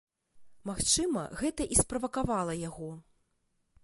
Магчыма, гэта і справакавала яго.